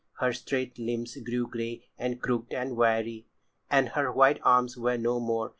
Her straight limbs grew grey and crooked and wiry, and her white arms were no more.